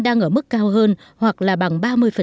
đang ở mức cao hơn hoặc là bằng ba mươi